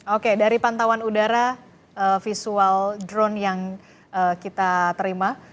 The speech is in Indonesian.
oke dari pantauan udara visual drone yang kita terima